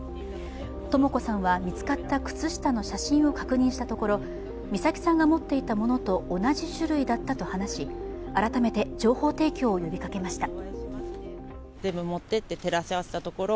とも子さんは見つかった靴下の写真を確認したところ、美咲さんが持っていたものと同じ種類だったと話し改めて情報提供を呼びかけました。